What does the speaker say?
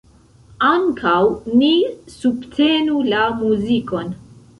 Ankaŭ ni subtenu la muzikon.